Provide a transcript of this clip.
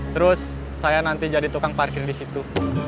terus saya nanti jadi tukang parkir di situ